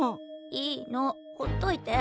いいのほっといて。